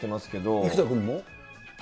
生田君も？